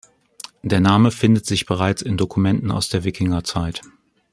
Der Name findet sich bereits in Dokumenten aus der Wikingerzeit.